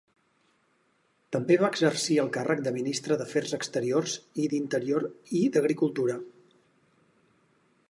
També va exercir el càrrec de Ministre d'Afers Exteriors i d'Interior i d'Agricultura.